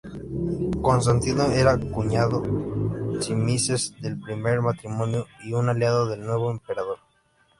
Constantino era acuñado Tzimisces del primer matrimonio y un aliado del nuevo emperador.